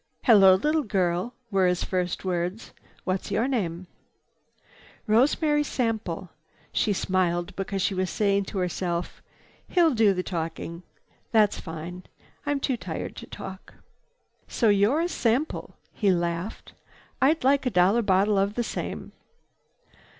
"Hello, little girl!" were his first words. "What's your name?" "Rosemary Sample." She smiled because she was saying to herself, "He'll do the talking. That's fine. I'm too tired to talk." "So you're a sample." He laughed. "I'd like a dollar bottle of the same."